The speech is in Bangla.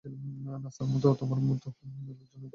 নাসার তোমার মতো লোকজনই দরকার, জানো সেটা?